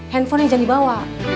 handphonenya jangan dibawa